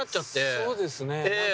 そうですね。